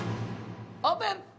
オープン。